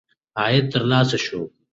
عاید ترلاسه شو.